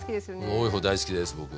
多い方が好きですよね？